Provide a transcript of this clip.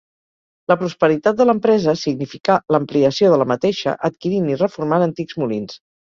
La prosperitat de l'empresa significà l'ampliació de la mateixa adquirint i reformant antics molins.